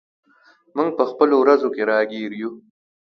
موږ په خپلو ورځو کې راګیر یو.